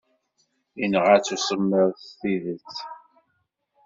Yenɣa-tt usemmiḍ s tidet.